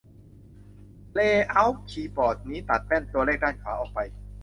เลย์เอาต์คีย์บอร์ดนี้ตัดแป้นตัวเลขด้านขวาออกไป